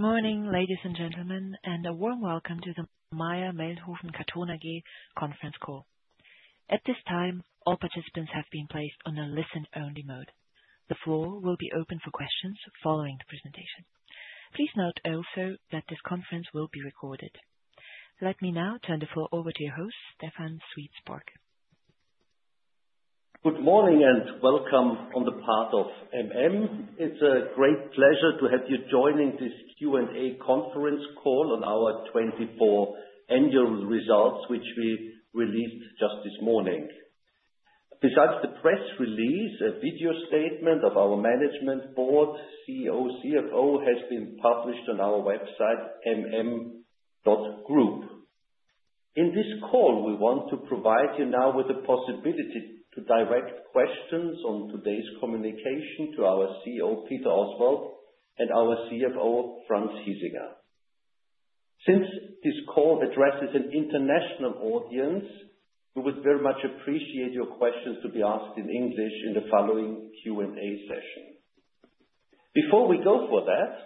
Good morning, ladies and gentlemen, and a warm welcome to the Mayr-Melnhof Karton AG conference call. At this time, all participants have been placed on a listen-only mode. The floor will be open for questions following the presentation. Please note also that this conference will be recorded. Let me now turn the floor over to your host, Stephan Sweerts-Sporck. Good morning and welcome on the part of It's a great pleasure to have you joining this Q&A conference call on our 2024 annual results, which we released just this morning. Besides the press release, a video statement of our Management Board, CEO, CFO, has been published on our website, mm.group. In this call, we want to provide you now with the possibility to direct questions on today's communication to our CEO, Peter Oswald, and our CFO, Franz Hiesinger. Since this call addresses an international audience, we would very much appreciate your questions to be asked in English in the following Q&A session. Before we go for that,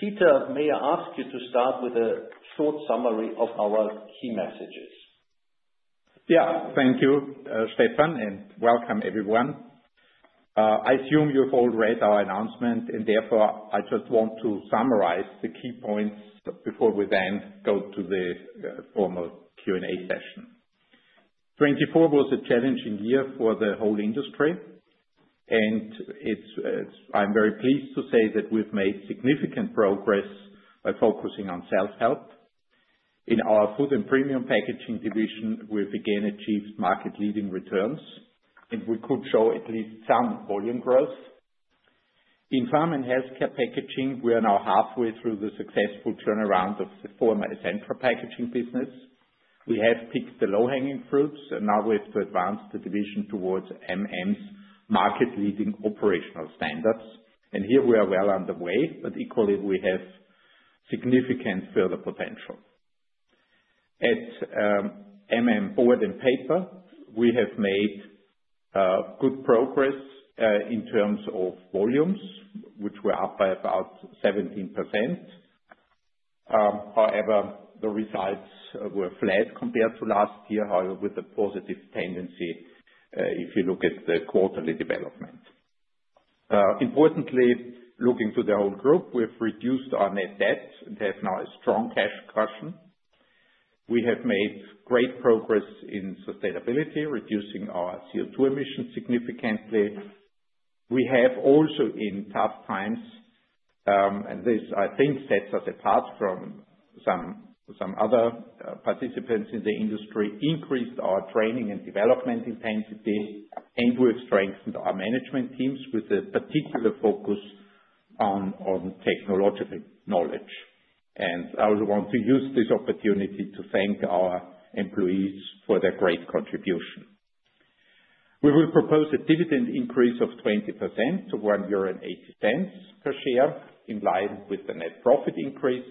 Peter, may I ask you to start with a short summary of our key messages? Yeah, thank you, Stephan, and welcome, everyone. I assume you've all read our announcement, and therefore I just want to summarize the key points before we then go to the formal Q&A session. 2024 was a challenging year for the whole industry, and I'm very pleased to say that we've made significant progress by focusing on self-help. In our Food & Premium Packaging division, we've again achieved market-leading returns, and we could show at least some volume growth. In Pharma & Healthcare Packaging, we are now halfway through the successful turnaround of the former Essentra Packaging business. We have picked the low-hanging fruits, and now we have to advance the division towards MM's market-leading operational standards. Here we are well underway, but equally, we have significant further potential. At Board & Paper, we have made good progress in terms of volumes, which were up by about 17%. However, the results were flat compared to last year, with a positive tendency if you look at the quarterly development. Importantly, looking to the whole group, we have reduced our net debt and have now a strong cash cushion. We have made great progress in sustainability, reducing our CO2 emissions significantly. We have also, in tough times, and this, I think, sets us apart from some other participants in the industry, increased our training and development intensity, and we have strengthened our management teams with a particular focus on technological knowledge. I would want to use this opportunity to thank our employees for their great contribution. We will propose a dividend increase of 20% to 1.80 euro per share, in line with the net profit increase.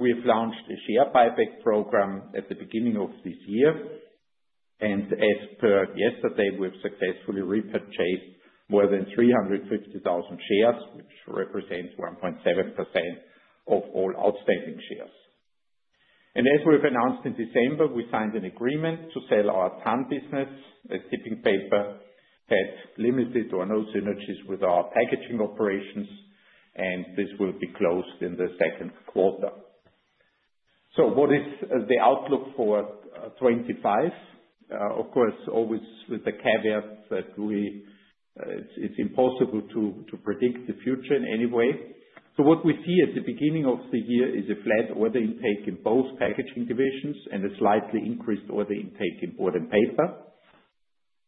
We've launched a share buyback program at the beginning of this year, and as per yesterday, we've successfully repurchased more than 350,000 shares, which represents 1.7% of all outstanding shares. As we've announced in December, we signed an agreement to sell our TANN business, a tipping paper that had limited or no synergies with our packaging operations, and this will be closed in the second quarter. What is the outlook for 2025? Of course, always with the caveat that it's impossible to predict the future in any way. What we see at the beginning of the year is a flat order intake in both packaging divisions and a slightly increased order intake in board and paper.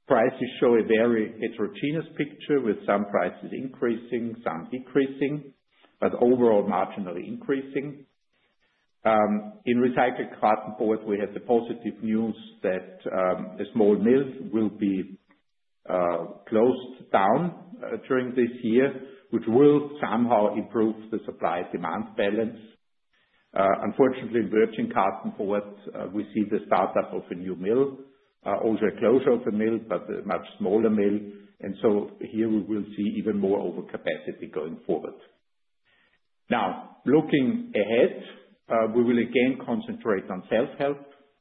Prices show a very heterogeneous picture, with some prices increasing, some decreasing, but overall marginally increasing. In recycled carton board, we have the positive news that a small mill will be closed down during this year, which will somehow improve the supply-demand balance. Unfortunately, in virgin carton board, we see the startup of a new mill, also a closure of a mill, but a much smaller mill. Here, we will see even more overcapacity going forward. Now, looking ahead, we will again concentrate on self-help,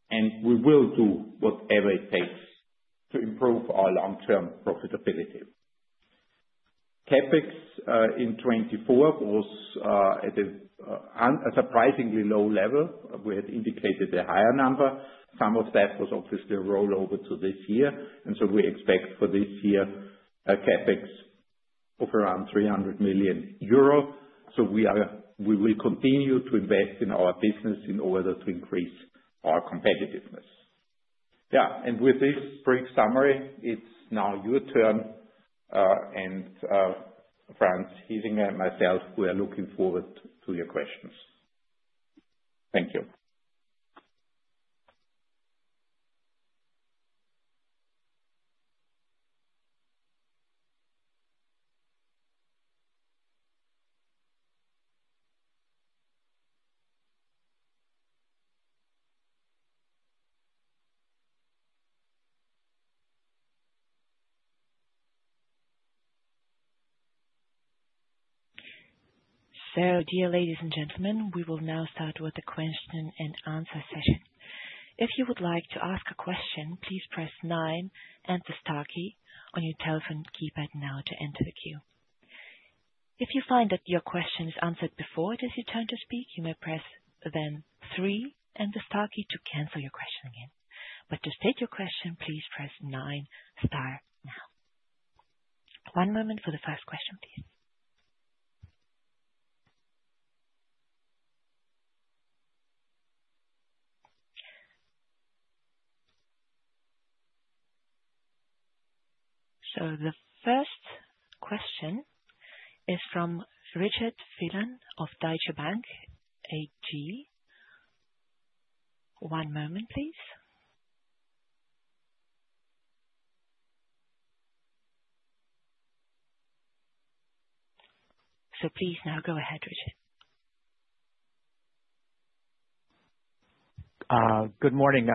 and we will do whatever it takes to improve our long-term profitability. CapEx in 2024 was at a surprisingly low level. We had indicated a higher number. Some of that was obviously a rollover to this year. We expect for this year a CapEx of around 300 million euro. We will continue to invest in our business in order to increase our competitiveness. Yeah, and with this brief summary, it's now your turn, and Franz Hiesinger and myself, we are looking forward to your questions. Thank you. Dear ladies and gentlemen, we will now start with the question and answer session. If you would like to ask a question, please press 9 and the star key on your telephone keypad now to enter the queue. If you find that your question is answered before it is your turn to speak, you may press then 3 and the star key to cancel your question again. To state your question, please press 9, star now. One moment for the first question, please. The first question is from Richard Phelan of Deutsche Bank AG. One moment, please. Please now go ahead, Richard. Good morning.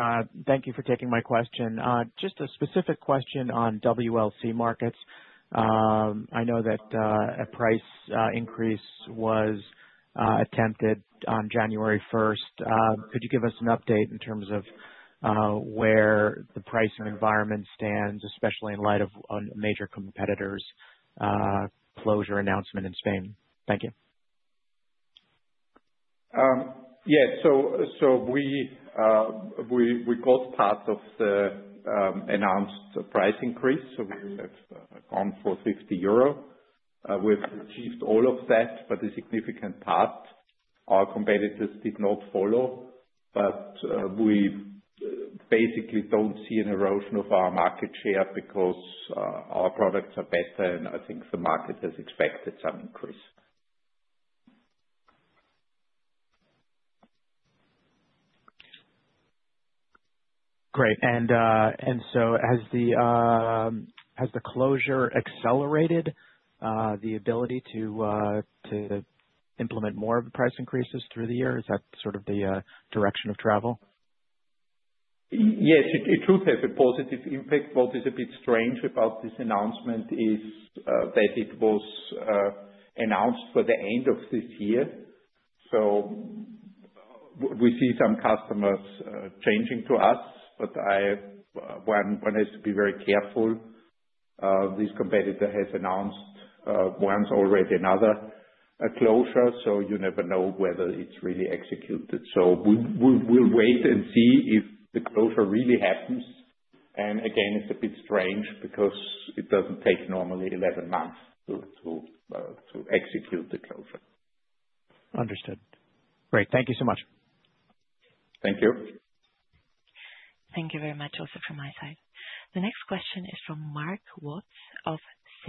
Thank you for taking my question. Just a specific question on WLC markets. I know that a price increase was attempted on January 1st. Could you give us an update in terms of where the pricing environment stands, especially in light of a major competitor's closure announcement in Spain? Thank you. Yeah, so we caught part of the announced price increase. We have gone for 50 euro. We've achieved all of that, but a significant part our competitors did not follow. We basically don't see an erosion of our market share because our products are better, and I think the market has expected some increase. Great. Has the closure accelerated the ability to implement more of the price increases through the year? Is that sort of the direction of travel? Yes, it should have a positive impact. What is a bit strange about this announcement is that it was announced for the end of this year. We see some customers changing to us, but one has to be very careful. This competitor has announced once already another closure, so you never know whether it's really executed. We will wait and see if the closure really happens. Again, it's a bit strange because it does not take normally 11 months to execute the closure. Understood. Great. Thank you so much. Thank you. Thank you very much also from my side. The next question is from Mark Watts of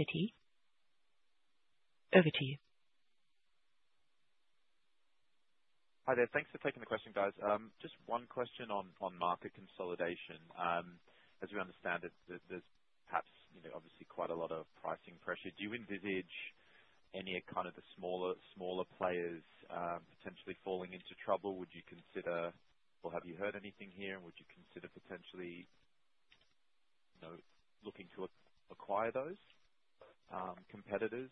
Citi. Over to you. Hi there. Thanks for taking the question, guys. Just one question on market consolidation. As we understand it, there's perhaps obviously quite a lot of pricing pressure. Do you envisage any kind of the smaller players potentially falling into trouble? Would you consider, or have you heard anything here, and would you consider potentially looking to acquire those competitors?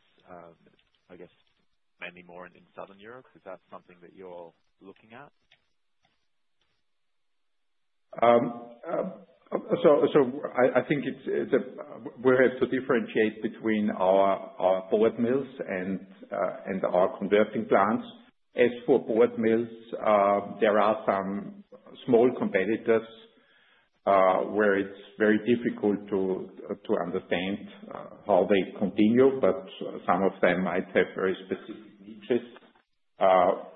I guess mainly more in Southern Europe. Is that something that you're looking at? I think we have to differentiate between our board mills and our converting plants. As for board mills, there are some small competitors where it's very difficult to understand how they continue, but some of them might have very specific niches.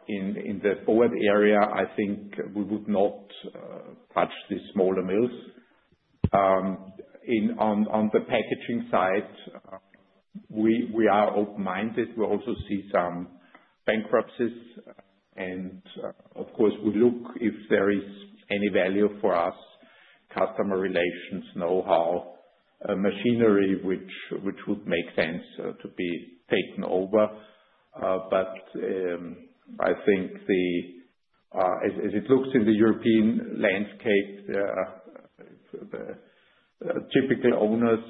In the board area, I think we would not touch the smaller mills. On the packaging side, we are open-minded. We also see some bankruptcies. Of course, we look if there is any value for us, customer relations, know-how, machinery, which would make sense to be taken over. I think as it looks in the European landscape, the typical owners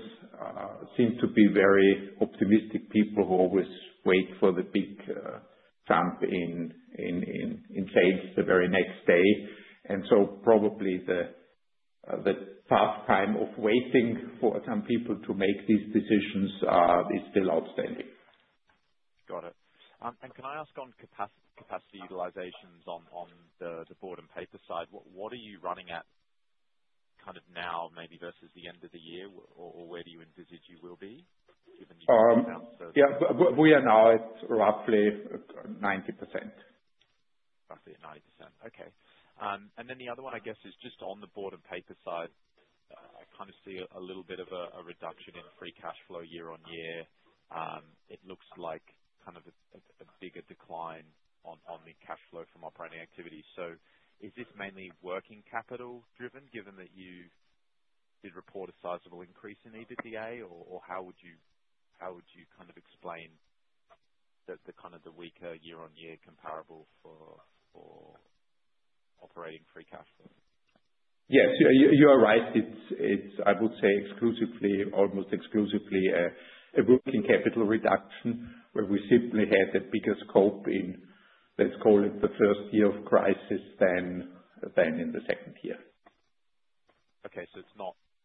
seem to be very optimistic people who always wait for the big jump in sales the very next day. Probably the tough time of waiting for some people to make these decisions is still outstanding. Got it. Can I ask on capacity utilizations on the board and paper side? What are you running at kind of now, maybe versus the end of the year, or where do you envisage you will be given the outcome? Yeah, we are now at roughly 90%. Roughly at 90%. Okay. The other one, I guess, is just on the board and paper side. I kind of see a little bit of a reduction in free cash flow year on year. It looks like kind of a bigger decline on the cash flow from operating activity. Is this mainly working capital driven, given that you did report a sizable increase in EBITDA, or how would you kind of explain the kind of the weaker year-on-year comparable for operating free cash flow? Yes, you are right. It's, I would say, almost exclusively a working capital reduction, where we simply had a bigger scope in, let's call it, the first year of crisis than in the second year. Okay.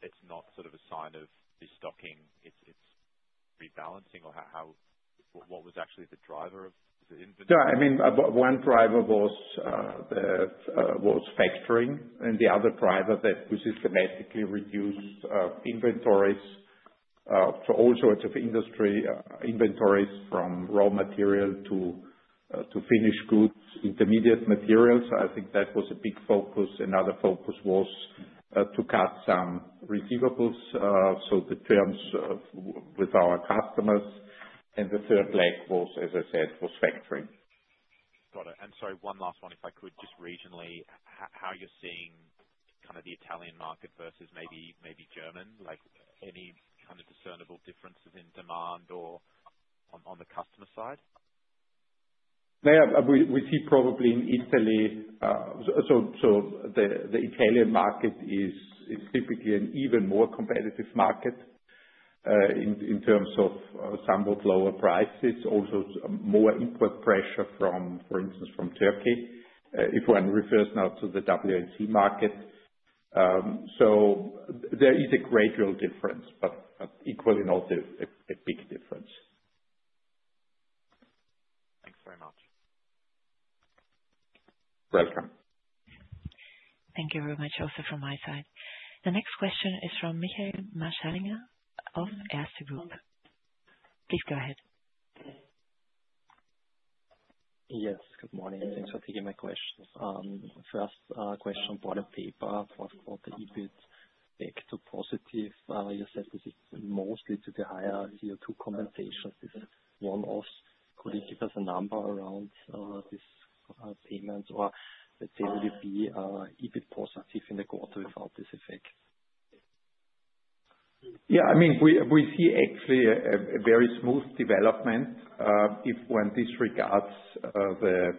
It's not sort of a sign of restocking. It's rebalancing? Or what was actually the driver of the inventory? Yeah, I mean, one driver was factoring, and the other driver that we systematically reduced inventories for all sorts of industry inventories, from raw material to finished goods, intermediate materials. I think that was a big focus. Another focus was to cut some receivables, so the terms with our customers. The third leg was, as I said, was factoring. Got it. Sorry, one last one, if I could, just regionally, how you're seeing kind of the Italian market versus maybe German? Any kind of discernible differences in demand or on the customer side? Yeah, we see probably in Italy, so the Italian market is typically an even more competitive market in terms of somewhat lower prices, also more import pressure, for instance, from Turkey, if one refers now to the WLC market. There is a gradual difference, but equally not a big difference. Thanks very much. Welcome. Thank you very much also from my side. The next question is from Michael Marschallinger of Erste Group. Please go ahead. Yes, good morning. Thanks for taking my questions. First question, board and paper for quarter EBIT, back to positive. You said this is mostly due to higher CO2 compensation. Is one of could you give us a number around this payment, or would it be EBIT positive in the quarter without this effect? Yeah, I mean, we see actually a very smooth development when this regards the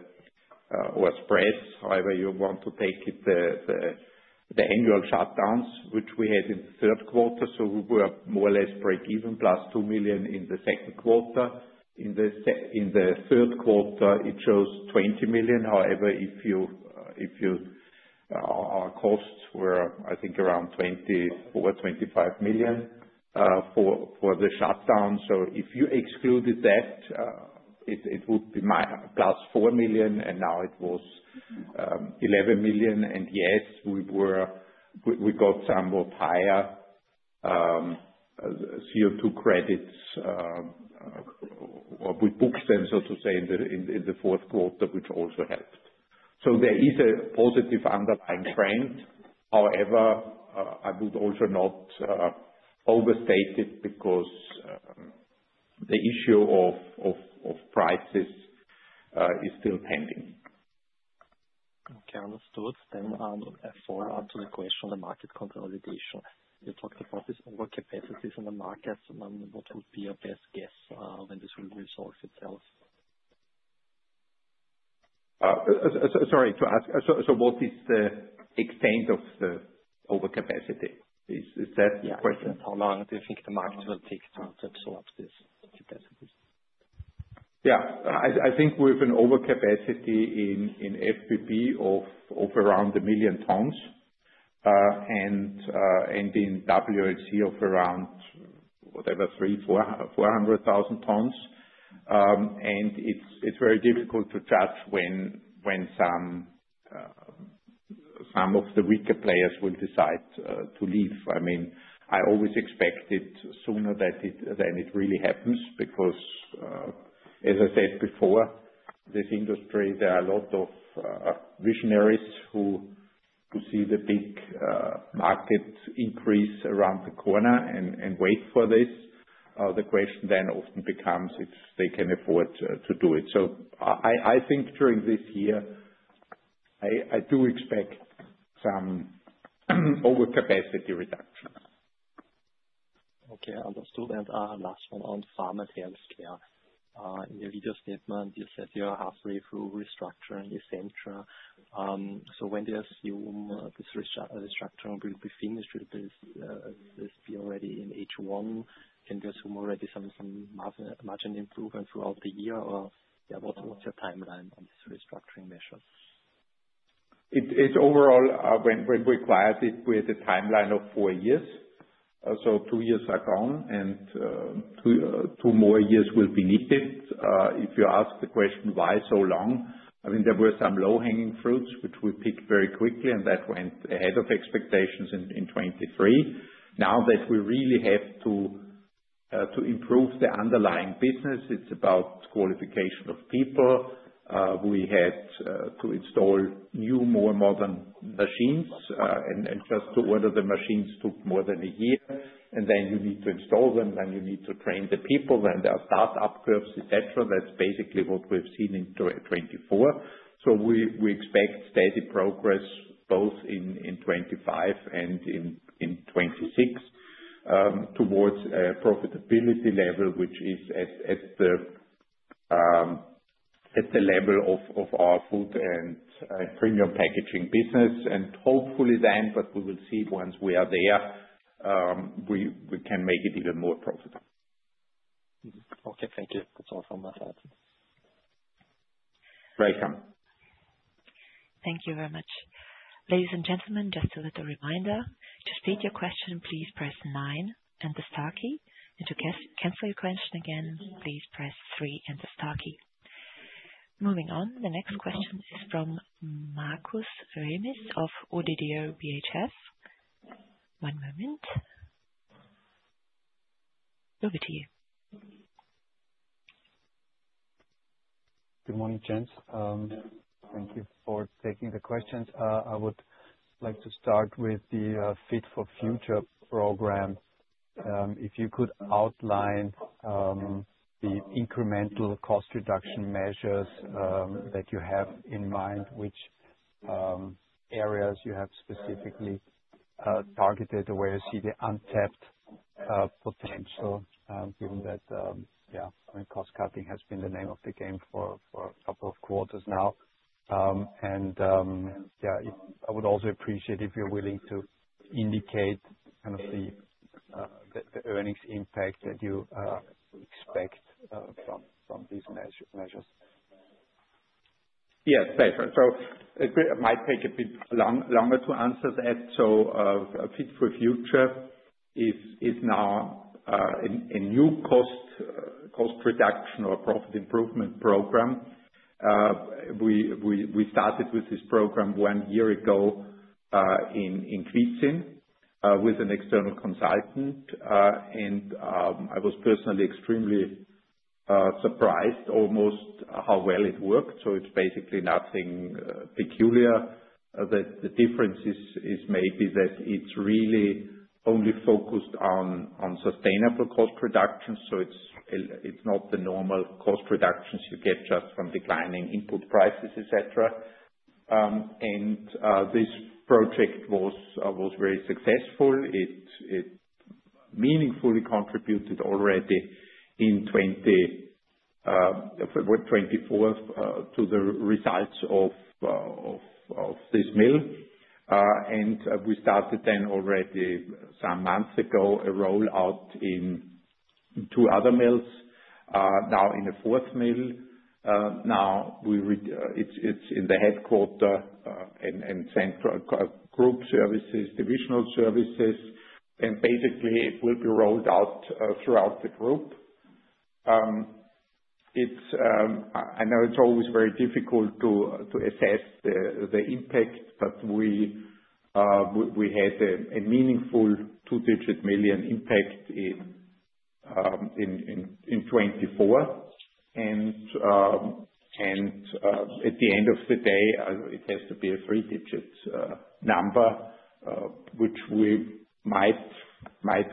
spreads, however you want to take it, the annual shutdowns, which we had in the third quarter. We were more or less break-even, plus 2 million in the second quarter. In the third quarter, it shows 20 million. However, if your costs were, I think, around 24-25 million for the shutdown. If you excluded that, it would be plus 4 million, and now it was 11 million. Yes, we got somewhat higher CO2 credits, or we booked them, so to say, in the fourth quarter, which also helped. There is a positive underlying trend. However, I would also not overstate it because the issue of prices is still pending. Okay, understood. A follow-up to the question on the market consolidation. You talked about these overcapacities in the markets. What would be your best guess when this will resolve itself? Sorry to ask. What is the extent of the overcapacity? Is that the question? Yes. How long do you think the market will take to absorb this capacity? Yeah. I think we have an overcapacity in FBB of around 1 million tonnes and in WLC of around, whatever, 300,000-400,000 tonnes. It is very difficult to judge when some of the weaker players will decide to leave. I mean, I always expect it sooner than it really happens because, as I said before, this industry, there are a lot of visionaries who see the big market increase around the corner and wait for this. The question then often becomes if they can afford to do it. I think during this year, I do expect some overcapacity reduction. Okay, understood. Last one on pharma healthcare. In the video statement, you said you are halfway through restructuring Essentra. When do you assume this restructuring will be finished? Will this be already in H1? Can we assume already some margin improvement throughout the year? What's your timeline on these restructuring measures? Overall, when we acquired it, we had a timeline of four years. Two years are gone, and two more years will be needed. If you ask the question, why so long? I mean, there were some low-hanging fruits, which we picked very quickly, and that went ahead of expectations in 2023. Now that we really have to improve the underlying business, it's about qualification of people. We had to install new, more modern machines, and just to order the machines took more than a year. You need to install them, you need to train the people, then there are start-up curves, etc. That is basically what we've seen in 2024. We expect steady progress both in 2025 and in 2026 towards a profitability level, which is at the level of our Food & Premium Packaging business. Hopefully then, we will see once we are there, we can make it even more profitable. Okay, thank you. That's all from my side. Welcome. Thank you very much. Ladies and gentlemen, just a little reminder. To state your question, please press 9 and the star key. To cancel your question again, please press 3 and the star key. Moving on, the next question is from Markus Remis of ODDO BHF. One moment. Over to you. Good morning, gents. Thank you for taking the questions. I would like to start with the Fit-for-Future program. If you could outline the incremental cost reduction measures that you have in mind, which areas you have specifically targeted, where you see the untapped potential, given that, I mean, cost cutting has been the name of the game for a couple of quarters now. I would also appreciate if you're willing to indicate kind of the earnings impact that you expect from these measures. Yes, pleasure. It might take a bit longer to answer that. Fit-for-Future is now a new cost reduction or profit improvement program. We started with this program one year ago in Giesing with an external consultant, and I was personally extremely surprised almost how well it worked. It is basically nothing peculiar. The difference is maybe that it is really only focused on sustainable cost reductions. It is not the normal cost reductions you get just from declining input prices, etc. This project was very successful. It meaningfully contributed already in 2024 to the results of this mill. We started then already some months ago a rollout in two other mills, now in a fourth mill. Now it is in the headquarter and central group services, divisional services, and basically it will be rolled out throughout the group. I know it's always very difficult to assess the impact, but we had a meaningful two-digit million impact in 2024. At the end of the day, it has to be a three-digit number, which we might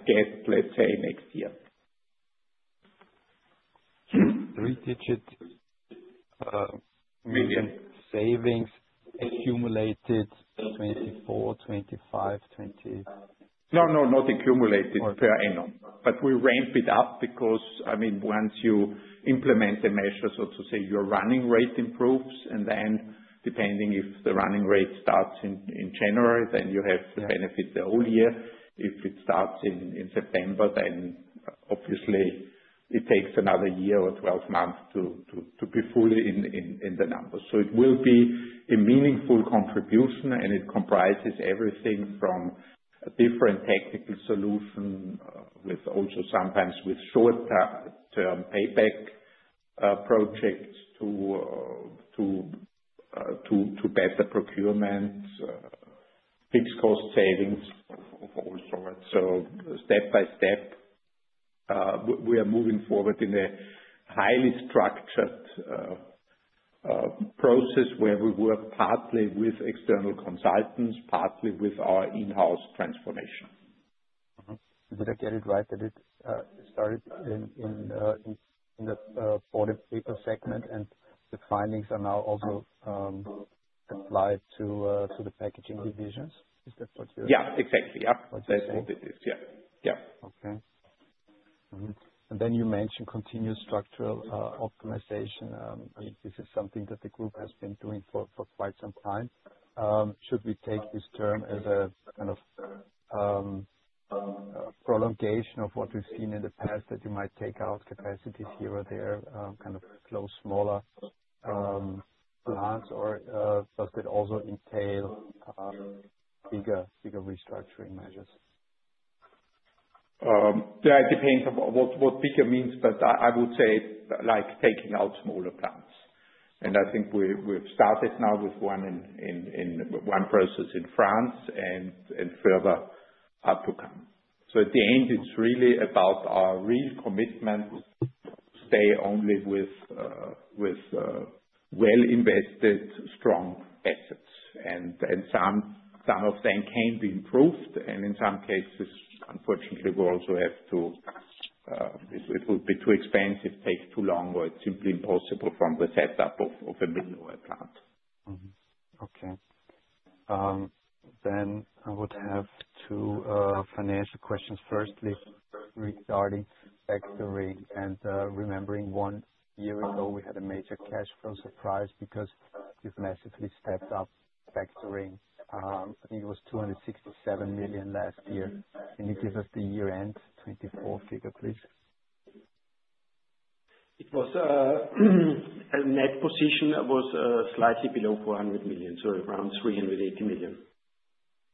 get, let's say, next year. Three-digit million savings accumulated 2024, 2025, 2026? No, no, not accumulated per annum. We ramp it up because, I mean, once you implement the measure, so to say, your running rate improves. Then depending if the running rate starts in January, you have the benefit the whole year. If it starts in September, obviously it takes another year or 12 months to be fully in the numbers. It will be a meaningful contribution, and it comprises everything from a different technical solution, also sometimes with short-term payback projects, to better procurement, fixed cost savings of all sorts. Step by step, we are moving forward in a highly structured process where we work partly with external consultants, partly with our in-house transformation. Did I get it right that it started in the board and paper segment, and the findings are now also applied to the packaging divisions? Is that what you're. Yeah, exactly. That's what it is. Yeah. Okay. You mentioned continuous structural optimization. I mean, this is something that the group has been doing for quite some time. Should we take this term as a kind of prolongation of what we've seen in the past, that you might take out capacities here or there, kind of close smaller plants, or does that also entail bigger restructuring measures? Yeah, it depends on what bigger means, but I would say like taking out smaller plants. I think we've started now with one process in France and further up to come. At the end, it's really about our real commitment to stay only with well-invested, strong assets. Some of them can be improved, and in some cases, unfortunately, we also have to—it would be too expensive, take too long, or it's simply impossible from the setup of a mill or a plant. Okay. Then I would have two financial questions. Firstly, regarding factoring and remembering one year ago, we had a major cash flow surprise because you've massively stepped up factoring. I think it was 267 million last year. Can you give us the year-end 2024 figure, please? It was a net position that was slightly below 400 million, so around 380 million.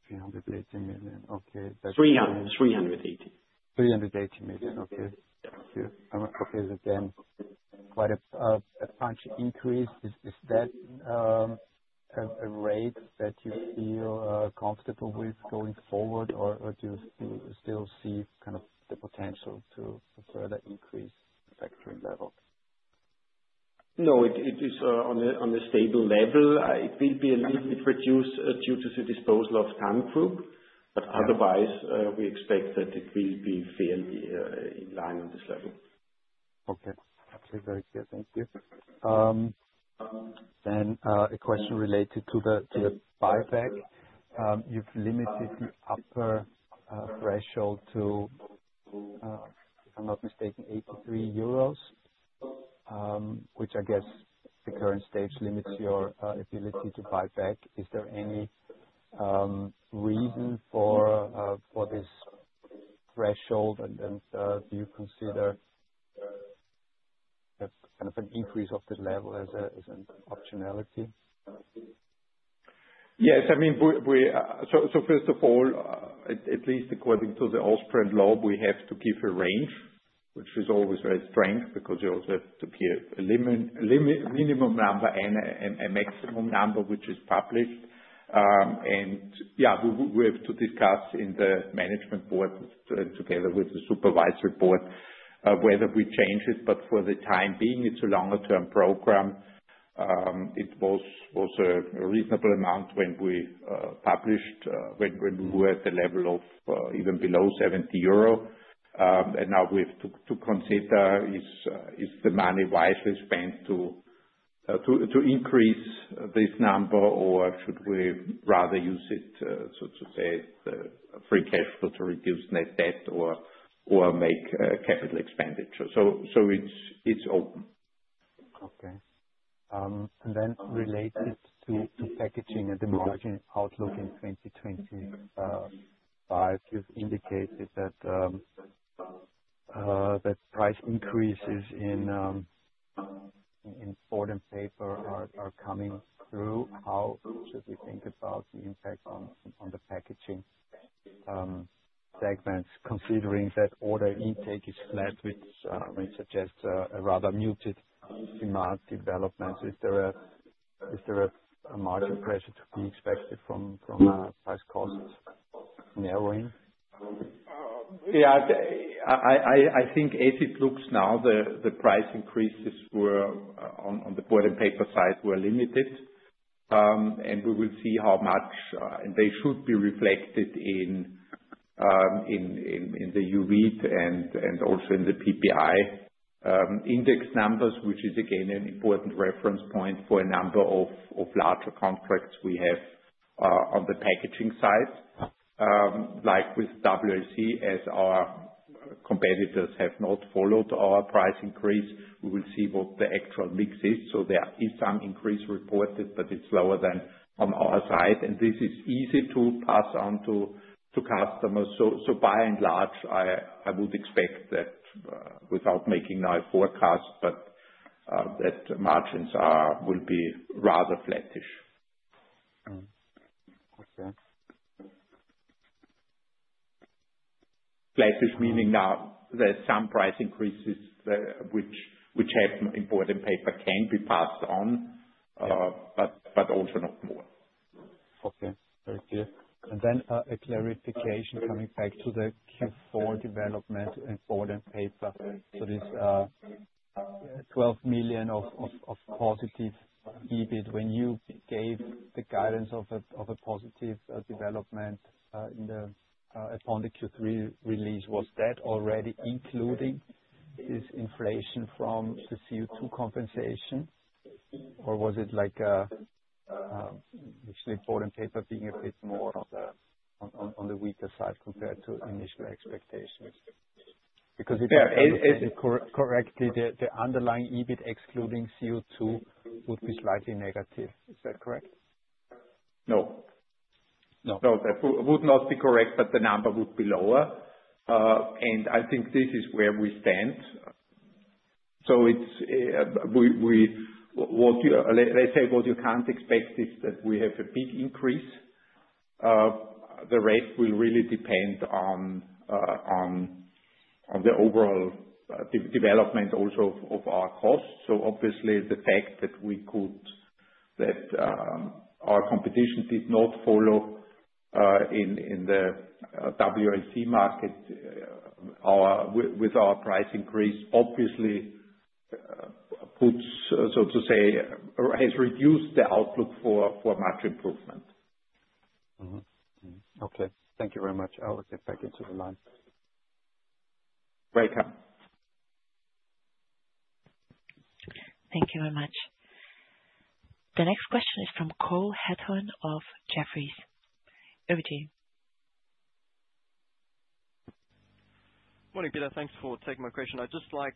380 million. Okay. 380. 380 million. Okay. Okay. So quite a punch increase. Is that a rate that you feel comfortable with going forward, or do you still see kind of the potential to further increase the factoring level? No, it is on a stable level. It will be a little bit reduced due to the disposal of TANN Group, but otherwise, we expect that it will be fairly in line on this level. Okay. Absolutely. Very clear. Thank you. A question related to the buyback. You've limited the upper threshold to, if I'm not mistaken, 83 euros, which I guess at the current stage limits your ability to buy back. Is there any reason for this threshold, and do you consider kind of an increase of the level as an optionality? Yes. I mean, first of all, at least according to the Oswald law, we have to give a range, which is always very strange because you also have to give a minimum number and a maximum number, which is published. We have to discuss in the management board together with the supervisory board whether we change it, but for the time being, it is a longer-term program. It was a reasonable amount when we published, when we were at the level of even below 70 euro. Now we have to consider is the money wisely spent to increase this number, or should we rather use it, so to say, free cash flow to reduce net debt or make capital expenditure? It is open. Okay. Related to packaging and the margin outlook in 2025, you've indicated that price increases in board and paper are coming through. How should we think about the impact on the packaging segments, considering that order intake is flat, which suggests a rather muted demand development? Is there a margin pressure to be expected from price cost narrowing? Yeah. I think, as it looks now, the price increases on the board and paper side were limited, and we will see how much, and they should be reflected in the EUWID and also in the PPI index numbers, which is, again, an important reference point for a number of larger contracts we have on the packaging side. Like with WLC, as our competitors have not followed our price increase, we will see what the actual mix is. There is some increase reported, but it's lower than on our side, and this is easy to pass on to customers. By and large, I would expect that without making now a forecast, but that margins will be rather flattish. Okay. Flattish meaning now that some price increases, which have in board and paper, can be passed on, but also not more. Okay. Very clear. A clarification coming back to the Q4 development in board and paper. This 12 million of positive EBIT, when you gave the guidance of a positive development upon the Q3 release, was that already including this inflation from the CO2 compensation, or was it initially board and paper being a bit more on the weaker side compared to initial expectations? Because, if you correct me, the underlying EBIT excluding CO2 would be slightly negative. Is that correct? No. No. No, that would not be correct, but the number would be lower. I think this is where we stand. Let's say what you can't expect is that we have a big increase. The rest will really depend on the overall development also of our costs. Obviously, the fact that our competition did not follow in the WLC market with our price increase obviously has reduced the outlook for much improvement. Okay. Thank you very much. I'll get back into the line. Welcome. Thank you very much. The next question is from Cole Hathorn of Jefferies. Over to you. Morning, Peter. Thanks for taking my question. I'd just like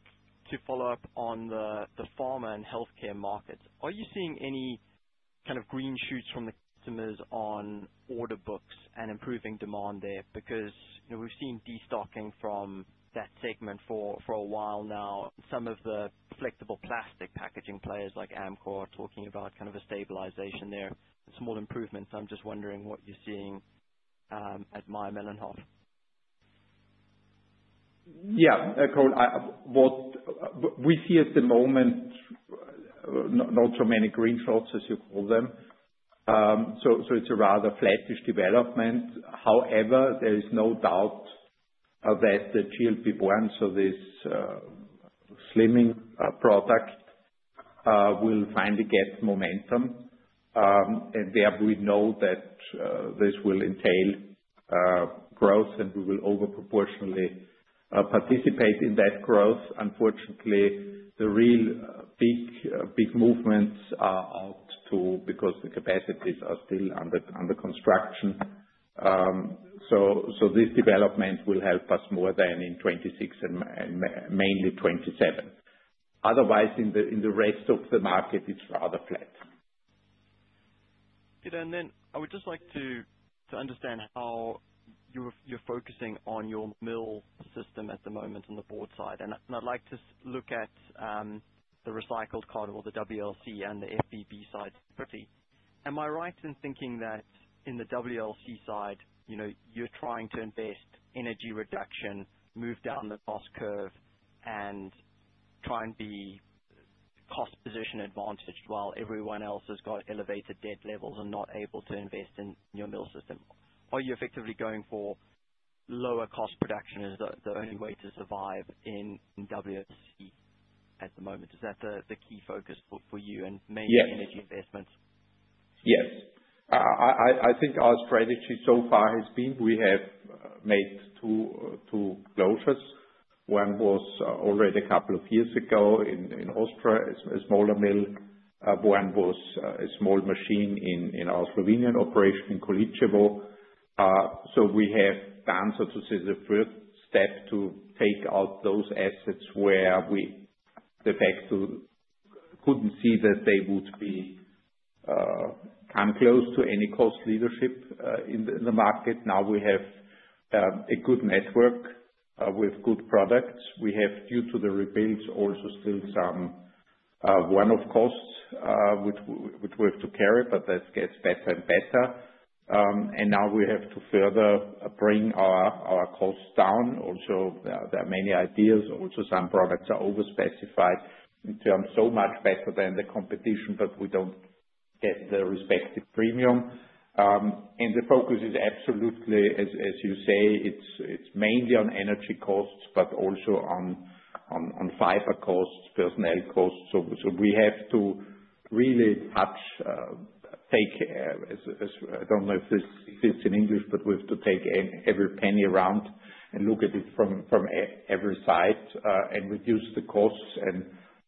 to follow up on the pharma and healthcare markets. Are you seeing any kind of green shoots from the customers on order books and improving demand there? Because we've seen destocking from that segment for a while now. Some of the flexible plastic packaging players like Amcor are talking about kind of a stabilization there, small improvements. I'm just wondering what you're seeing at Mayr-Melnhof. Yeah. What we see at the moment, not so many green shots, as you call them. It is a rather flattish development. However, there is no doubt that the GLP-1, so this slimming product, will finally get momentum. There we know that this will entail growth, and we will overproportionally participate in that growth. Unfortunately, the real big movements are out too because the capacities are still under construction. This development will help us more than in 2026 and mainly 2027. Otherwise, in the rest of the market, it is rather flat. Peter, I would just like to understand how you're focusing on your mill system at the moment on the board side. I would like to look at the recycled card or the WLC and the FBB side. Am I right in thinking that in the WLC side, you're trying to invest in energy reduction, move down the cost curve, and try and be cost-position advantaged while everyone else has got elevated debt levels and not able to invest in your mill system? Are you effectively going for lower cost production as the only way to survive in WLC at the moment? Is that the key focus for you and mainly energy investments? Yes. I think our strategy so far has been we have made two closures. One was already a couple of years ago in Austria, a smaller mill. One was a small machine in our Slovenian operation in Kolicevo. We have done, so to say, the first step to take out those assets where we, the fact, could not see that they would come close to any cost leadership in the market. Now we have a good network with good products. We have, due to the rebuilds, also still some one-off costs, which we have to carry, but that gets better and better. Now we have to further bring our costs down. Also, there are many ideas. Also, some products are overspecified in terms so much better than the competition, but we do not get the respective premium. The focus is absolutely, as you say, it's mainly on energy costs, but also on fiber costs, personnel costs. We have to really take—I don't know if it's in English, but we have to take every penny around and look at it from every side and reduce the costs.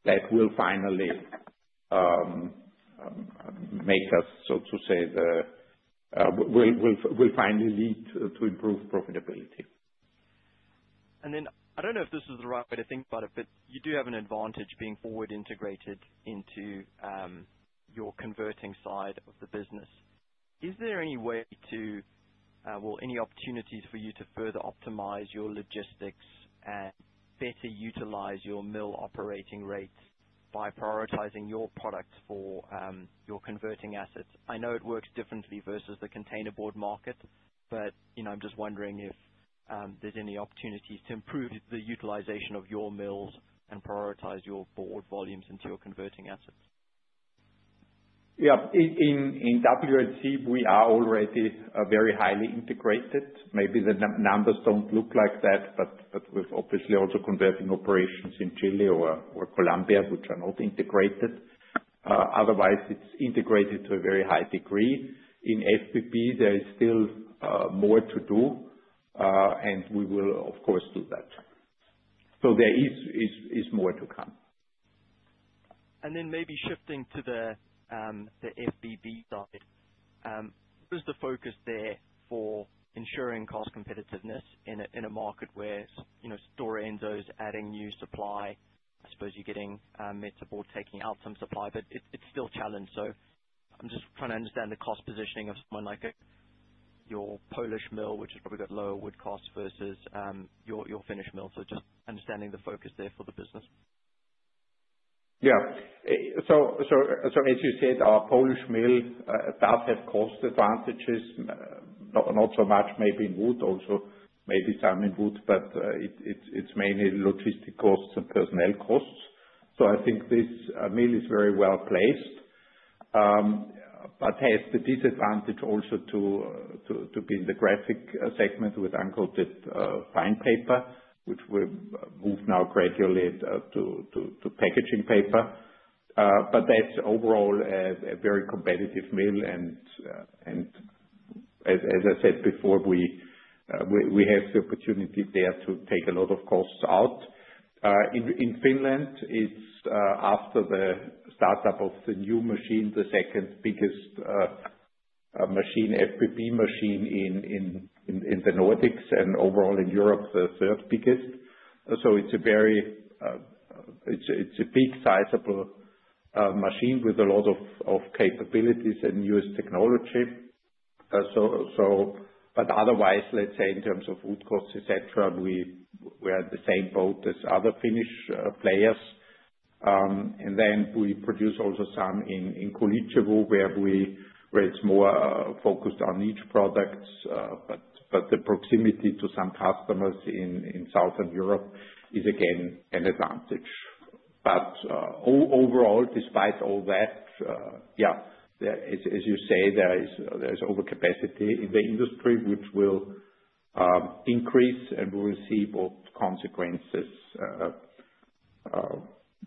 That will finally make us, so to say, that will finally lead to improved profitability. I don't know if this is the right way to think about it, but you do have an advantage being forward integrated into your converting side of the business. Is there any way to, well, any opportunities for you to further optimize your logistics and better utilize your mill operating rates by prioritizing your products for your converting assets? I know it works differently versus the container board market, but I'm just wondering if there's any opportunities to improve the utilization of your mills and prioritize your board volumes into your converting assets. Yeah. In WLC, we are already very highly integrated. Maybe the numbers do not look like that, but we are obviously also converting operations in Chile or Colombia, which are not integrated. Otherwise, it is integrated to a very high degree. In FBB, there is still more to do, and we will, of course, do that. There is more to come. Maybe shifting to the FBB side, what is the focus there for ensuring cost competitiveness in a market where Stora Enso is adding new supply? I suppose you're getting Metsä Board taking out some supply, but it's still challenged. I'm just trying to understand the cost positioning of someone like your Polish mill, which has probably got lower wood costs versus your Finnish mill. Just understanding the focus there for the business. Yeah. As you said, our Polish mill does have cost advantages, not so much maybe in wood. Also, maybe some in wood, but it's mainly logistic costs and personnel costs. I think this mill is very well placed, but has the disadvantage also to be in the graphic segment with uncoated fine paper, which we've moved now gradually to packaging paper. That's overall a very competitive mill. As I said before, we have the opportunity there to take a lot of costs out. In Finland, after the startup of the new machine, the second biggest machine, FBB machine in the Nordics, and overall in Europe, the third biggest. It's a big sizable machine with a lot of capabilities and newest technology. Otherwise, in terms of wood costs, etc., we are in the same boat as other Finnish players. We produce also some in Kolicevo, where it is more focused on niche products, but the proximity to some customers in Southern Europe is, again, an advantage. Overall, despite all that, as you say, there is overcapacity in the industry, which will increase, and we will see what consequences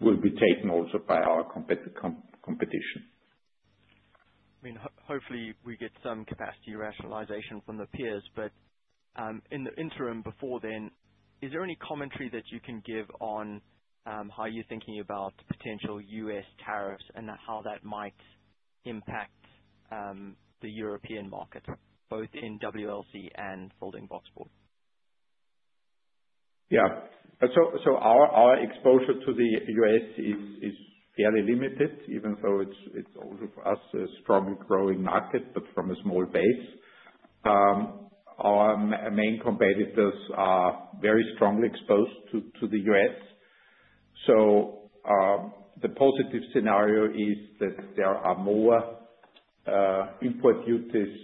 will be taken also by our competition. I mean, hopefully, we get some capacity rationalization from the peers. In the interim before then, is there any commentary that you can give on how you're thinking about potential U.S. tariffs and how that might impact the European market, both in WLC and folding boxboard? Yeah. Our exposure to the U.S. is fairly limited, even though it's also for us a strongly growing market, but from a small base. Our main competitors are very strongly exposed to the U.S. The positive scenario is that there are more import duties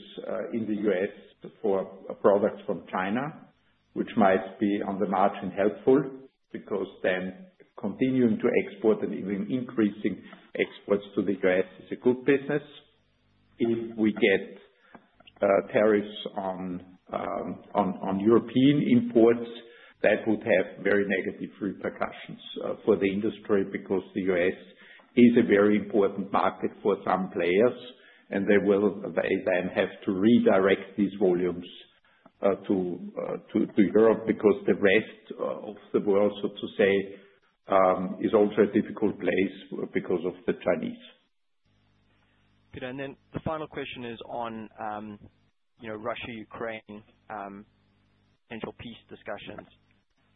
in the U.S. for products from China, which might be on the margin helpful because then continuing to export and even increasing exports to the U.S. is a good business. If we get tariffs on European imports, that would have very negative repercussions for the industry because the U.S. is a very important market for some players, and they will then have to redirect these volumes to Europe because the rest of the world, so to say, is also a difficult place because of the Chinese. Peter, and then the final question is on Russia-Ukraine potential peace discussions.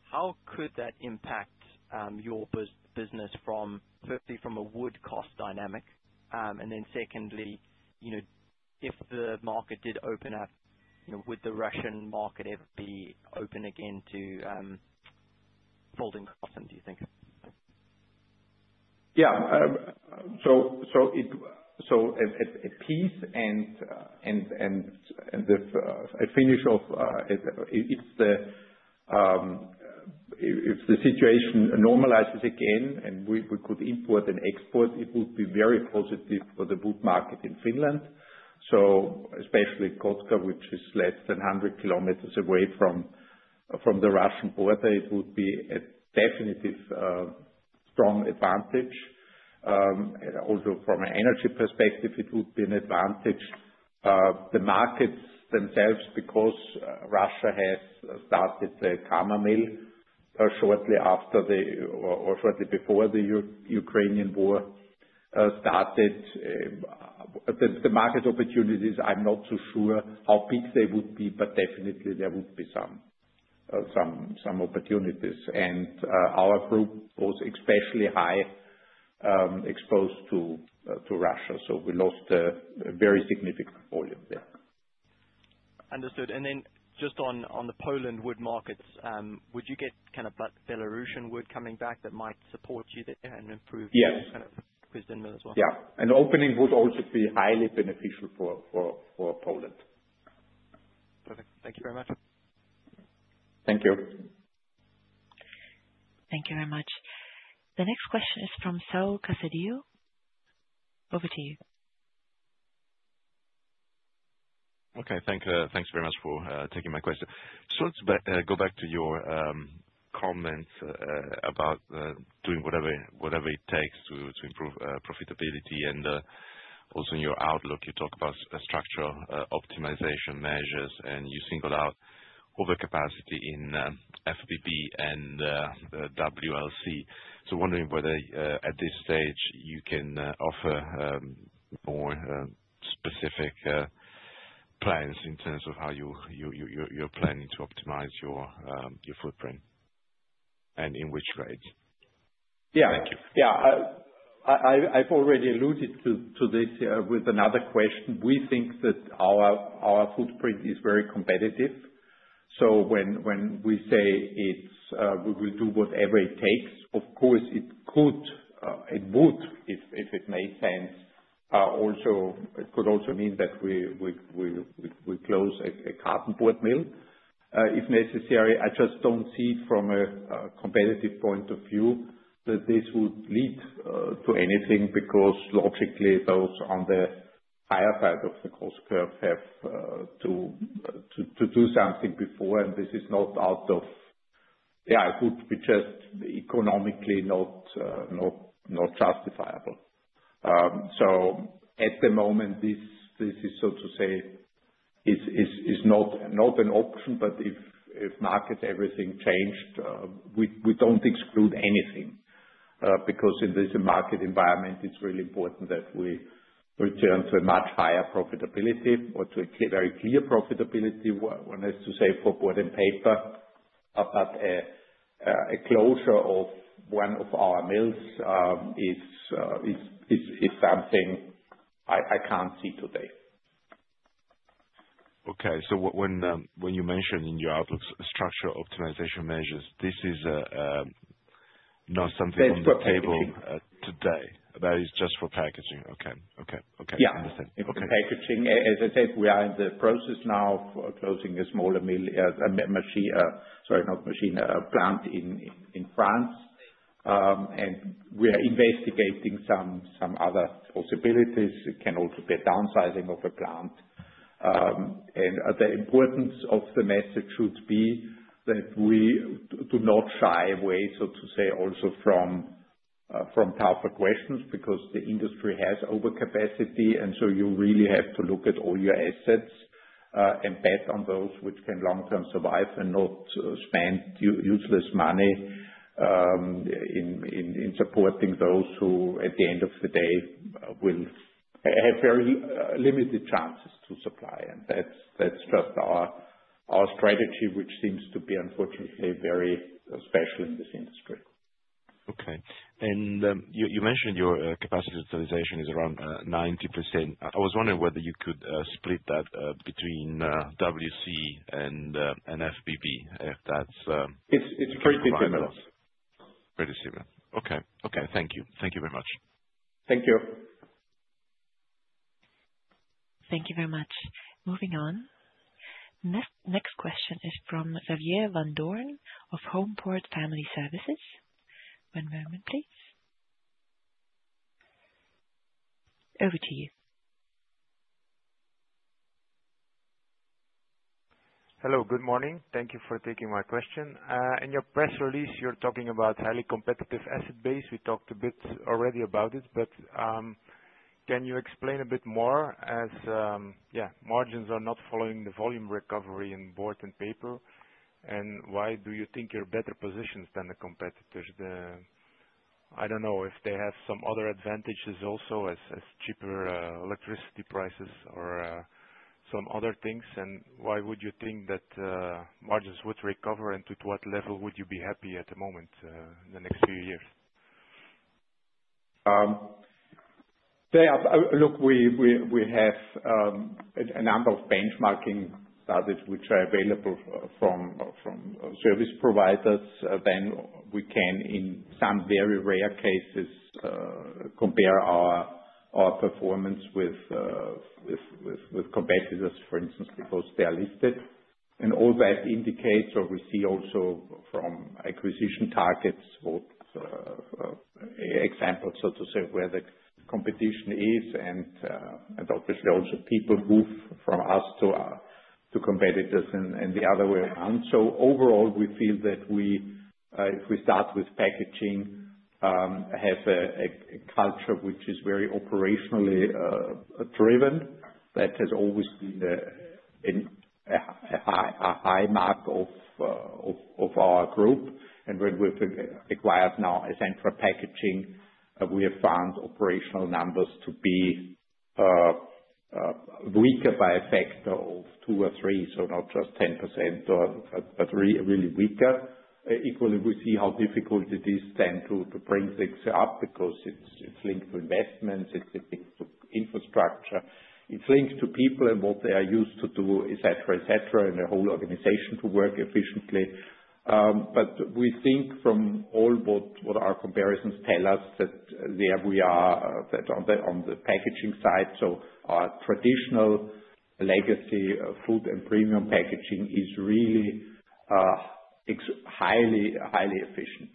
How could that impact your business, firstly from a wood cost dynamic, and then secondly, if the market did open up, would the Russian market ever be open again to folding cartons, do you think? Yeah. At peace and the finish of if the situation normalizes again and we could import and export, it would be very positive for the wood market in Finland. Especially Kotka, which is less than 100 km away from the Russian border, it would be a definitive strong advantage. Also from an energy perspective, it would be an advantage. The markets themselves, because Russia has started the KAMA mill shortly before the Ukrainian war started, the market opportunities, I'm not too sure how big they would be, but definitely there would be some opportunities. Our group was especially high exposed to Russia, so we lost a very significant volume there. Understood. Just on the Poland wood markets, would you get kind of Belarusian wood coming back that might support you there and improve kind of question as well? Yeah. Opening would also be highly beneficial for Poland. Perfect. Thank you very much. Thank you. Thank you very much. The next question is from Saul Casadio. Over to you. Okay. Thanks very much for taking my question. Let's go back to your comments about doing whatever it takes to improve profitability. Also, in your outlook, you talk about structural optimization measures, and you single out overcapacity in FBB and WLC. I am wondering whether, at this stage, you can offer more specific plans in terms of how you're planning to optimize your footprint and in which grades. Yeah. I've already alluded to this with another question. We think that our footprint is very competitive. When we say we will do whatever it takes, of course, it would, if it made sense. Also, it could also mean that we close a carton board mill if necessary. I just don't see from a competitive point of view that this would lead to anything because logically, those on the higher part of the cost curve have to do something before, and this is not out of, yeah, it would be just economically not justifiable. At the moment, this is, so to say, not an option, but if market everything changed, we don't exclude anything because in this market environment, it's really important that we return to a much higher profitability or to a very clear profitability, one has to say for board and paper. A closure of one of our mills is something I can't see today. Okay. When you mentioned in your outlook structural optimization measures, this is not something on the table today. That is just for packaging. Okay. Okay. Okay. I understand. Yeah. For packaging, as I said, we are in the process now of closing a smaller plant in France. We are investigating some other possibilities. It can also be a downsizing of a plant. The importance of the message should be that we do not shy away, so to say, also from tougher questions because the industry has overcapacity. You really have to look at all your assets and bet on those which can long-term survive and not spend useless money in supporting those who, at the end of the day, will have very limited chances to supply. That's just our strategy, which seems to be, unfortunately, very special in this industry. Okay. You mentioned your capacity utilization is around 90%. I was wondering whether you could split that between WLC and FBB, if that's. It's pretty similar. Pretty similar. Okay. Okay. Thank you. Thank you very much. Thank you. Thank you very much. Moving on. Next question is from Xavier Vandoorne of Homeport Family Services. One moment, please. Over to you. Hello. Good morning. Thank you for taking my question. In your press release, you're talking about highly competitive asset base. We talked a bit already about it, but can you explain a bit more as, yeah, margins are not following the volume recovery in board and paper? Why do you think you're better positioned than the competitors? I don't know if they have some other advantages also as cheaper electricity prices or some other things. Why would you think that margins would recover? To what level would you be happy at the moment in the next few years? Look, we have a number of benchmarking studies which are available from service providers. Then we can, in some very rare cases, compare our performance with competitors, for instance, because they are listed. All that indicates, or we see also from acquisition targets, examples, so to say, where the competition is, and obviously also people move from us to competitors and the other way around. Overall, we feel that if we start with packaging, we have a culture which is very operationally driven. That has always been a high mark of our group. When we've acquired now Essentra Packaging, we have found operational numbers to be weaker by a factor of 2 or 3, so not just 10%, but really weaker. Equally, we see how difficult it is then to bring things up because it's linked to investments, it's linked to infrastructure, it's linked to people and what they are used to do, etc., etc., and the whole organization to work efficiently. We think from all what our comparisons tell us that there we are on the packaging side. Our traditional legacy Food & Premium Packaging is really highly efficient.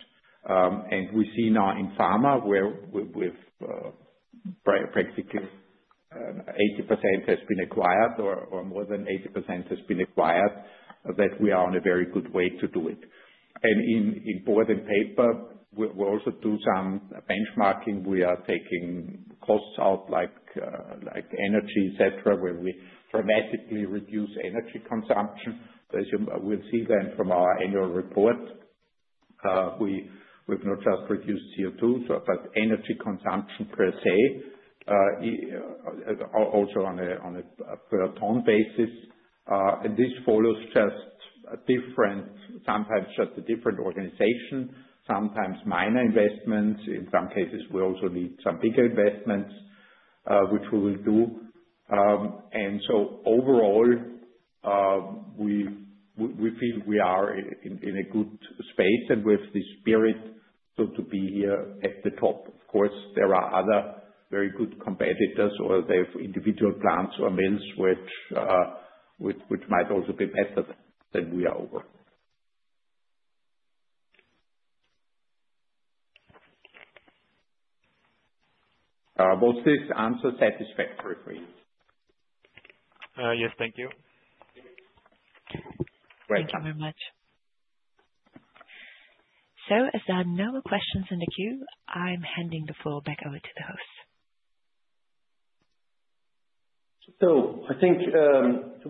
We see now in pharma where practically 80% has been acquired or more than 80% has been acquired, that we are on a very good way to do it. In board and paper, we also do some benchmarking. We are taking costs out like energy, etc., where we dramatically reduce energy consumption. As you will see then from our annual report, we've not just reduced CO2, but energy consumption per se, also on a per ton basis. This follows just a different, sometimes just a different organization, sometimes minor investments. In some cases, we also need some bigger investments, which we will do. Overall, we feel we are in a good space and with the spirit to be here at the top. Of course, there are other very good competitors or they have individual plants or mills which might also be better than we are. Was this answer satisfactory for you? Yes. Thank you. Thank you very much. As there are no more questions in the queue, I'm handing the floor back over to the host. I think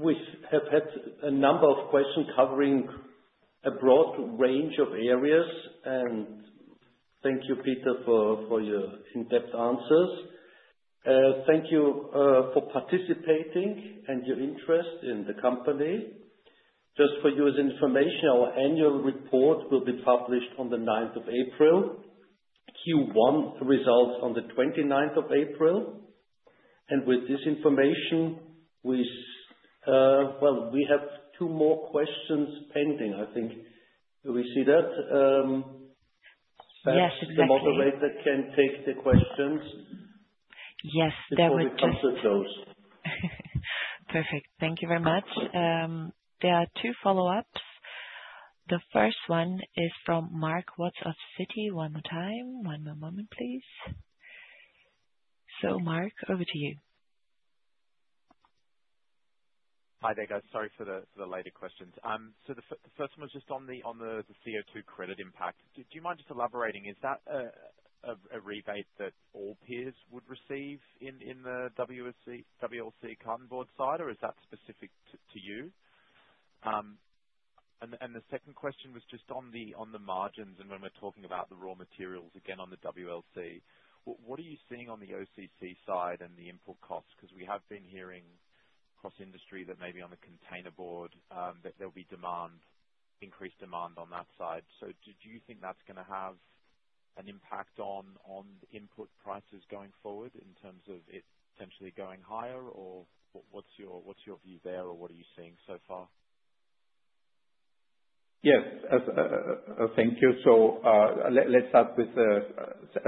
we have had a number of questions covering a broad range of areas. Thank you, Peter, for your in-depth answers. Thank you for participating and your interest in the company. Just for your information, our annual report will be published on the 9th of April. Q1 results on the 29th of April. With this information, we have two more questions pending, I think. Do we see that? Yes. Exactly. The moderator can take the questions. Yes. There would. We will answer those. Perfect. Thank you very much. There are two follow-ups. The first one is from Mark Watts, Citi. One more time. One more moment, please. Mark, over to you. Hi, there. Sorry for the later questions. The first one was just on the CO2 credit impact. Do you mind just elaborating? Is that a rebate that all peers would receive in the WLC carton board side, or is that specific to you? The second question was just on the margins, and when we're talking about the raw materials again on the WLC, what are you seeing on the OCC side and the import costs? We have been hearing across industry that maybe on the container board, there will be increased demand on that side. Do you think that's going to have an impact on input prices going forward in terms of it potentially going higher, or what's your view there, or what are you seeing so far? Yes. Thank you. Let's start with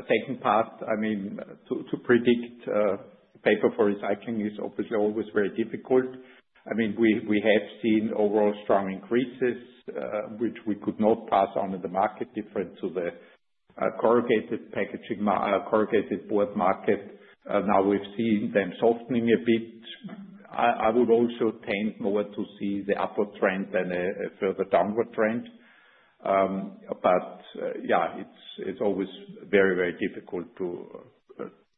taking part. I mean, to predict paper for recycling is obviously always very difficult. I mean, we have seen overall strong increases, which we could not pass on to the market, different to the corrugated packaging, corrugated board market. Now we've seen them softening a bit. I would also tend more to see the upward trend than a further downward trend. Yeah, it's always very, very difficult to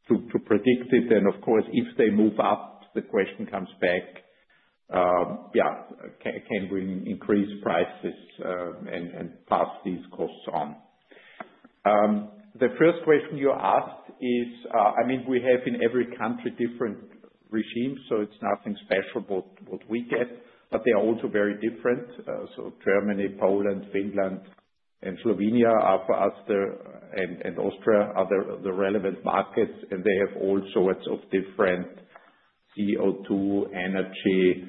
predict it. Of course, if they move up, the question comes back, yeah, can we increase prices and pass these costs on? The first question you asked is, I mean, we have in every country different regimes, so it's nothing special what we get, but they are also very different. Germany, Poland, Finland, Slovenia, and Austria are for us the relevant markets, and they have all sorts of different CO2, energy.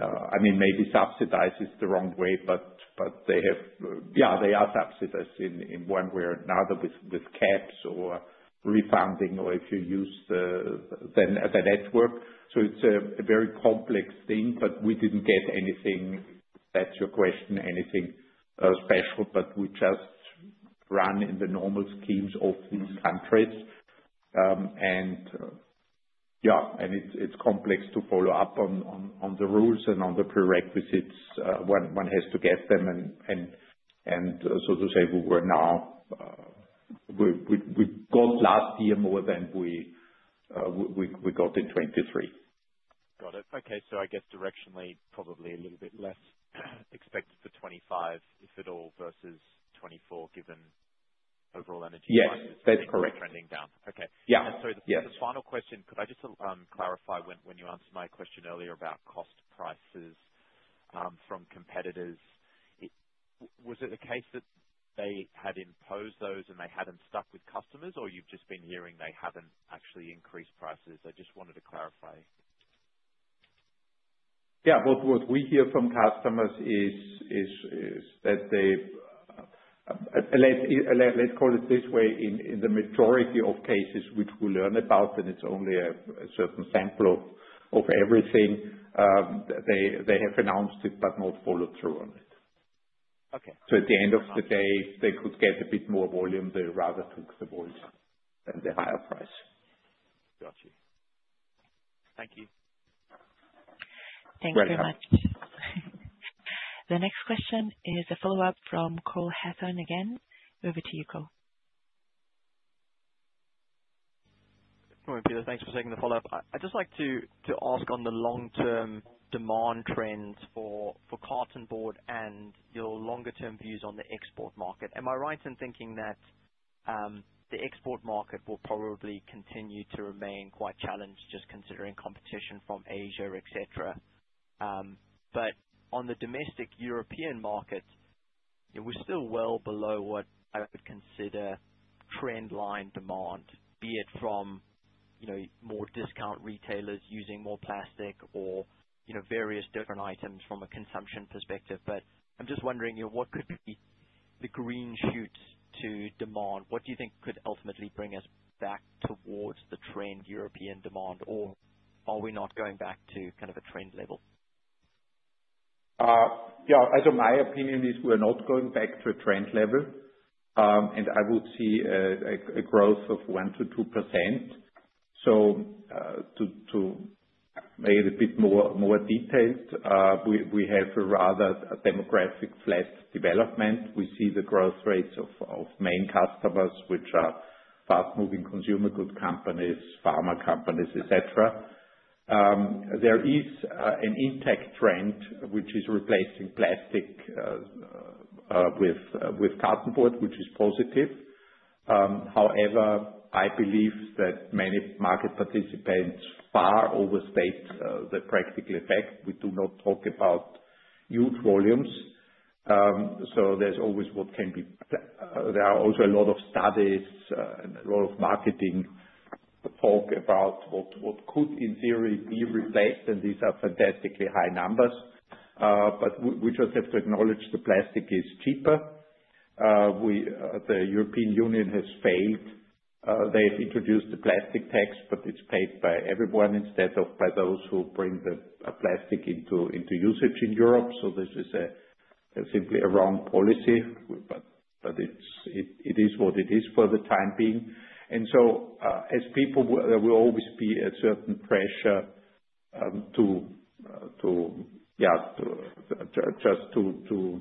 I mean, maybe subsidized is the wrong way, but they have, yeah, they are subsidized in one way or another with caps or refunding or if you use the network. It is a very complex thing, but we did not get anything, that is your question, anything special, but we just run in the normal schemes of these countries. Yeah, it is complex to follow up on the rules and on the prerequisites. One has to get them, and so to say, we were now, we got last year more than we got in 2023. Got it. Okay. I guess directionally, probably a little bit less expected for 2025, if at all, versus 2024, given overall energy prices. Yes. That's correct. Trending down. Okay. The final question, could I just clarify when you answered my question earlier about cost prices from competitors, was it the case that they had imposed those and they had not stuck with customers, or you have just been hearing they have not actually increased prices? I just wanted to clarify. Yeah. What we hear from customers is that they, let's call it this way, in the majority of cases, which we learn about, and it's only a certain sample of everything, they have announced it but not followed through on it. At the end of the day, they could get a bit more volume, they rather took the void than the higher price. Gotcha. Thank you. Thank you very much. The next question is a follow-up from Cole Hathorn again. Over to you, Cole. Thanks for taking the follow-up. I'd just like to ask on the long-term demand trends for carton board and your longer-term views on the export market. Am I right in thinking that the export market will probably continue to remain quite challenged, just considering competition from Asia, etc.? On the domestic European market, we're still well below what I would consider trendline demand, be it from more discount retailers using more plastic or various different items from a consumption perspective. I'm just wondering, what could be the green shoots to demand? What do you think could ultimately bring us back towards the trend European demand, or are we not going back to kind of a trend level? Yeah. As in my opinion, we are not going back to a trend level, and I would see a growth of 1-2%. To make it a bit more detailed, we have a rather demographic flat development. We see the growth rates of main customers, which are fast-moving consumer goods companies, pharma companies, etc. There is an intact trend, which is replacing plastic with carton board, which is positive. However, I believe that many market participants far overstayed the practical effect. We do not talk about huge volumes. There is always what can be. There are also a lot of studies and a lot of marketing talk about what could in theory be replaced, and these are fantastically high numbers. We just have to acknowledge the plastic is cheaper. The European Union has failed. They've introduced the plastic tax, but it's paid by everyone instead of by those who bring the plastic into usage in Europe. This is simply a wrong policy, but it is what it is for the time being. As people, there will always be a certain pressure to, yeah, just to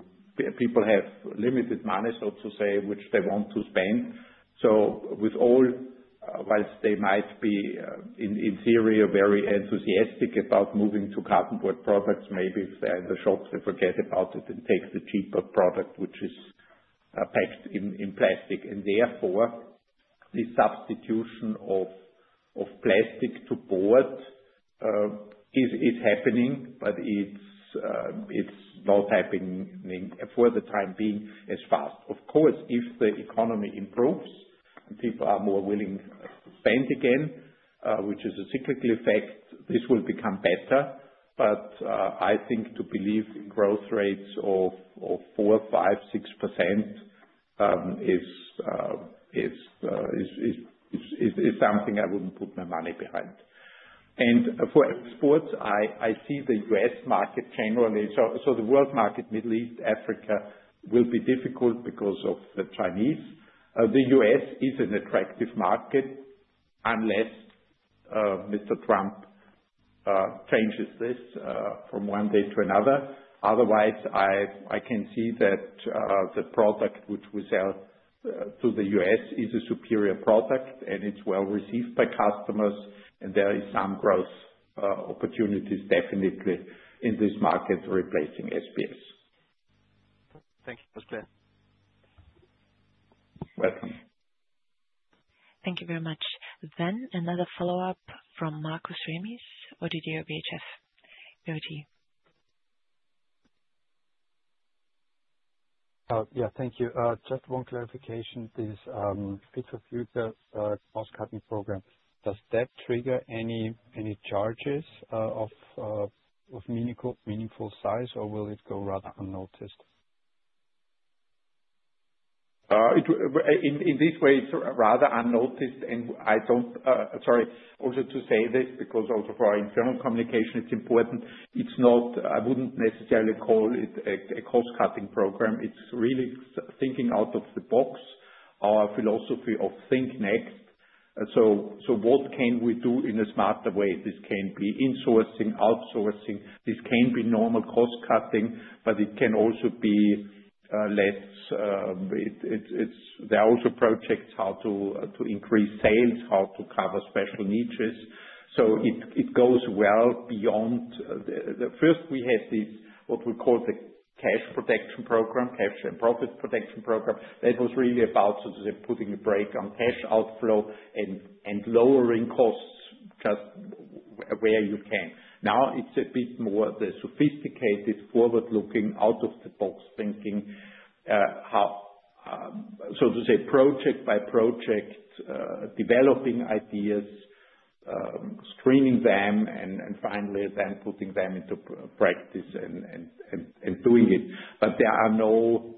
people have limited money, so to say, which they want to spend. With all, whilst they might be in theory very enthusiastic about moving to carton board products, maybe if they're in the shop, they forget about it and take the cheaper product, which is packed in plastic. Therefore, the substitution of plastic to board is happening, but it's not happening for the time being as fast. Of course, if the economy improves and people are more willing to spend again, which is a cyclical effect, this will become better. I think to believe in growth rates of 4%, 5%, 6% is something I wouldn't put my money behind. For exports, I see the U.S. market generally. The world market, Middle East, Africa will be difficult because of the Chinese. The U.S. is an attractive market unless Mr. Trump changes this from one day to another. Otherwise, I can see that the product which we sell to the U.S. is a superior product, and it's well received by customers, and there is some growth opportunities definitely in this market replacing SBS. Thank you. That was clear. Welcome. Thank you very much. Another follow-up from Markus Remis ODDO BHF. Your team. Yeah. Thank you. Just one clarification. This is, cross-cutting program. Does that trigger any charges of meaningful size, or will it go rather unnoticed? In this way, it's rather unnoticed, and I don't, sorry. Also to say this because also for our internal communication, it's important. I wouldn't necessarily call it a cost-cutting program. It's really thinking out of the box, our philosophy of think next. What can we do in a smarter way? This can be insourcing, outsourcing. This can be normal cost-cutting, but it can also be less. There are also projects how to increase sales, how to cover special niches. It goes well beyond. First, we had what we call the cash protection program, cash and profit protection program. That was really about, so to say, putting a brake on cash outflow and lowering costs just where you can. Now it's a bit more the sophisticated forward-looking, out-of-the-box thinking, so to say, project by project, developing ideas, screening them, and finally then putting them into practice and doing it. There are no,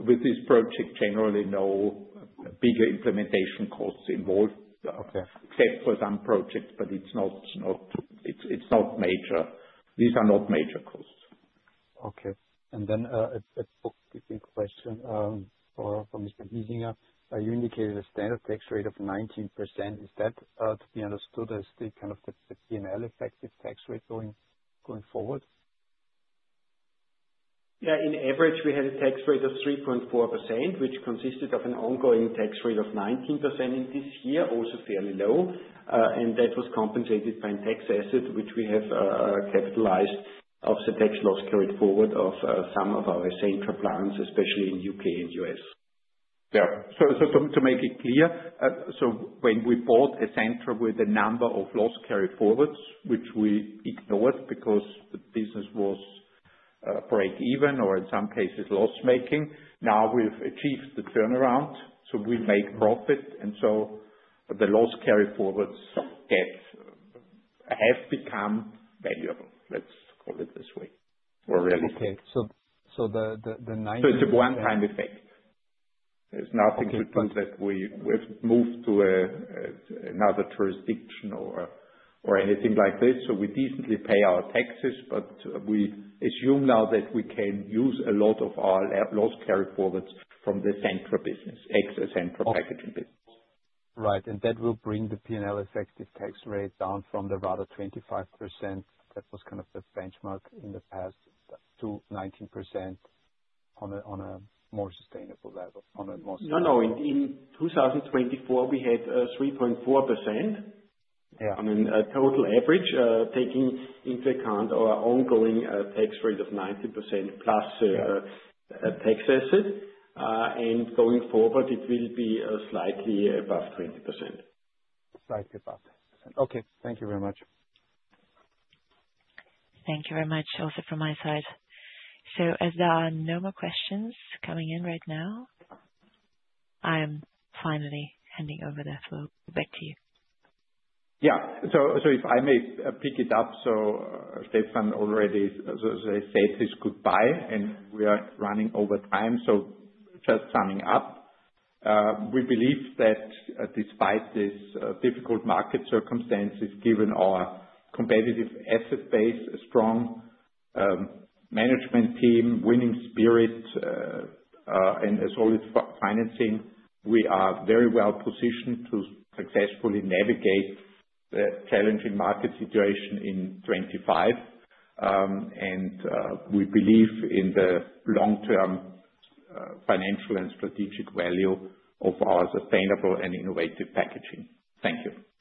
with this project generally, no bigger implementation costs involved, except for some projects, but it's not major. These are not major costs. Okay. A quick question for Mr. Hiesinger. You indicated a standard tax rate of 19%. Is that to be understood as kind of the P&L effective tax rate going forward? Yeah. In average, we had a tax rate of 3.4%, which consisted of an ongoing tax rate of 19% in this year, also fairly low. That was compensated by a tax asset, which we have capitalized off the tax loss carried forward of some of our Essentra plants, especially in the U.K. and U.S. Yeah. To make it clear, when we bought Essentra with a number of loss carryforwards, which we ignored because the business was break-even or in some cases loss-making, now we've achieved the turnaround. We make profit, and the loss carryforwards have become valuable, let's call it this way, or realistic. It is a one-time effect. There is nothing to do that we have moved to another jurisdiction or anything like this. We decently pay our taxes, but we assume now that we can use a lot of our loss carryforwards from the Essentra business, ex Essentra Packaging business. Right. That will bring the P&L effective tax rate down from the rather 25% that was kind of the benchmark in the past to 19% on a more sustainable level, on a more sustainable. No, no. In 2024, we had 3.4% on a total average, taking into account our ongoing tax rate of 19% plus a tax asset. Going forward, it will be slightly above 20%. Slightly above 20%. Okay. Thank you very much. Thank you very much also from my side. As there are no more questions coming in right now, I am finally handing over the floor back to you. Yeah. If I may pick it up, Stephan already, as I said, he's goodbye, and we are running over time. Just summing up, we believe that despite these difficult market circumstances, given our competitive asset base, strong management team, winning spirit, and solid financing, we are very well positioned to successfully navigate the challenging market situation in 2025. We believe in the long-term financial and strategic value of our sustainable and innovative packaging. Thank you.